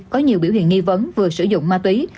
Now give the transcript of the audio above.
có nhiều biểu hiện nghi vấn vừa sử dụng ma túy